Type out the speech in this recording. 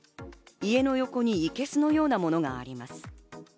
家の横にいけすのようなものがあります。